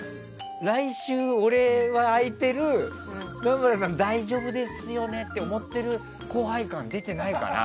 来週、俺は空いてる南原さん、大丈夫ですよね？って思っている後輩感出てないかな？